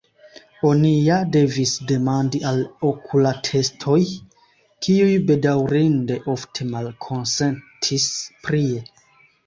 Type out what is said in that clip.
Oni ja devis demandi al okulatestoj kiuj bedaŭrinde ofte malkonsentis prie.